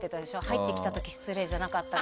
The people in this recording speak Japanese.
「入ってきたとき失礼じゃなかったかな」。